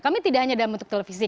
kami tidak hanya dalam bentuk televisi